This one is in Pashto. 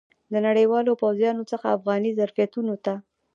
د نړیوالو پوځیانو څخه افغاني ظرفیتونو ته.